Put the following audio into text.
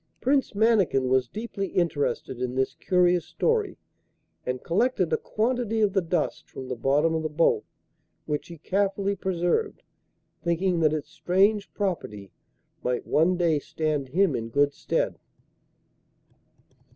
Prince Mannikin was deeply interested in this curious story, and collected a quantity of the dust from the bottom of the boat, which he carefully preserved, thinking that its strange property might one day stand him in good stead.